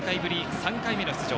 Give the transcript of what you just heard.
３回目の出場。